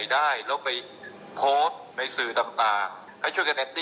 เพราะฉะนั้นเรื่องของการปฏิบัติตามกฎของคน